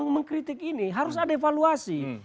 mengkritik ini harus ada evaluasi